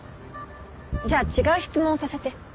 じゃあ違う質問をさせて。